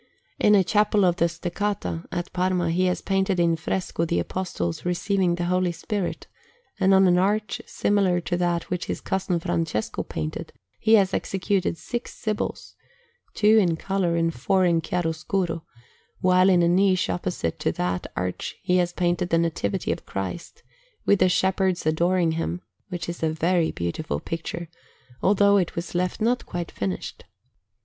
In a chapel of the Steccata, at Parma, he has painted in fresco the Apostles receiving the Holy Spirit, and on an arch similar to that which his cousin Francesco painted he has executed six Sibyls, two in colour and four in chiaroscuro; while in a niche opposite to that arch he has painted the Nativity of Christ, with the Shepherds adoring Him, which is a very beautiful picture, although it was left not quite finished.